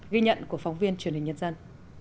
ghi nhận của phóng viên truyền hình nhật dân